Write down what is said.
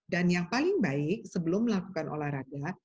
dan yang paling baik sebelum melakukan olahraga